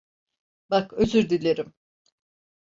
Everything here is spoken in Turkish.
Bak, özür dilerim.